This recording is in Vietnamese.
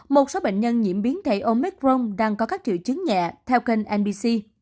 một số bệnh nhân nhiễm biến thể omicron đang có các triệu chứng nhẹ theo kênh nbc